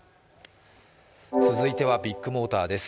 続いてはビッグモーターです。